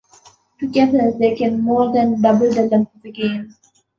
Together, they can more than double the length of the game.